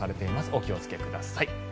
お気をつけください。